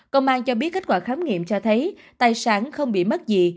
công an cho biết kết quả khám nghiệm cho thấy tài sản không bị mất gì